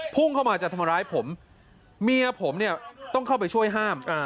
พุ่งเข้ามาจะทำร้ายผมเมียผมเนี่ยต้องเข้าไปช่วยห้าม